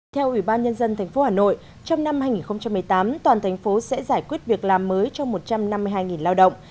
theo ủy ban nhân dân tp hà nội trong năm hai nghìn một mươi tám toàn thành phố sẽ giải quyết việc làm mới trong một trăm năm mươi hai lao động